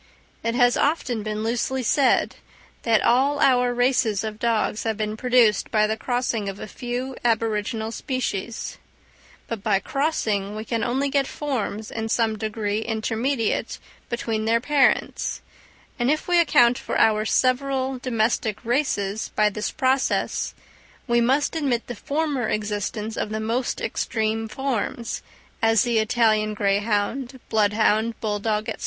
It has often been loosely said that all our races of dogs have been produced by the crossing of a few aboriginal species; but by crossing we can only get forms in some degree intermediate between their parents; and if we account for our several domestic races by this process, we must admit the former existence of the most extreme forms, as the Italian greyhound, bloodhound, bull dog, &c.